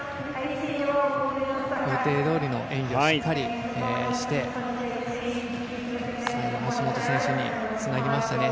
予定どおりの演技をしっかりして最後、橋本選手につなぎましたね。